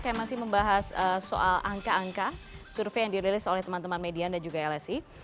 kami masih membahas soal angka angka survei yang dirilis oleh teman teman median dan juga lsi